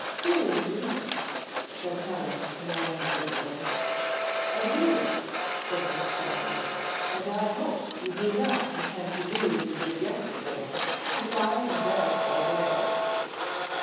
"Do you?" said Helen in a languid voice. "I do," said Miss Clarendon; "and I hope you do not intend to do as you did yesterday, to lie in bed all day."